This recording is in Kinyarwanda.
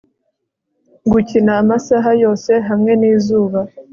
gukina amasaha yose hamwe n'izuba